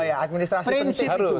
administrasi penting itu